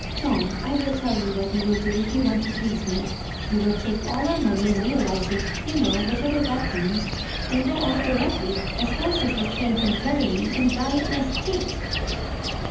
Tom, I will tell you what you wiU do if you want to please me. You wiD take all our money and realise it, you know, whatever that means — and go off directly, as fast as the train can carry you, and buy an Es tate."